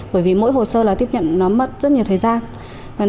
bởi vì mỗi hồ sơ là tiếp nhận nó mất rất nhiều thời gian